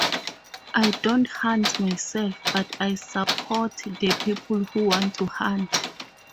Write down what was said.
I don't hunt myself, but I support the people who want to hunt.